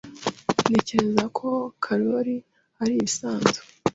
Ntekereza ko Karoli ari ibisanzwe.